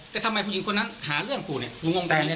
แต่ทำไมผู้หญิงคนนั้นหาเรื่องกูเนี่ยมึงงงใจเลย